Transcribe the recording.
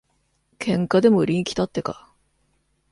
喧嘩でも売りにきたってか。